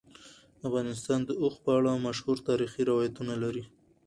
افغانستان د اوښ په اړه مشهور تاریخی روایتونه لري.